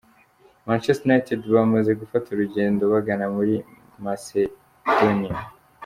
Manchester United bamaze gufata urugendo bagana muri Macedonia .